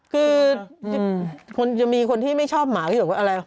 คือจะมีคนที่ไม่ชอบหมาก็คิดว่าอะไร